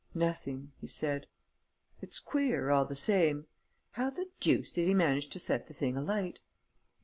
"Nothing," he said. "It's queer, all the same! How the deuce did he manage to set the thing alight?"